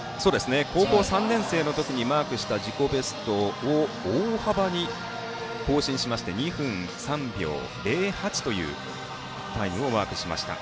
高校３年生の時にマークした自己ベストを大幅に更新しまして２分３秒０８というタイムをマークしました。